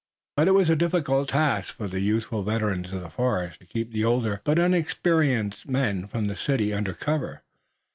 But it was a difficult task for the youthful veterans of the forest to keep the older but inexperienced men from the city under cover.